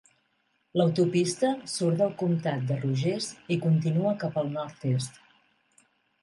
L'autopista surt del comtat de Rogers i continua cap al nord-est.